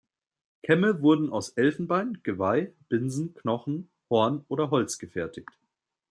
Kämme wurden aus Elfenbein, Geweih, Binsen, Knochen, Horn oder Holz gefertigt.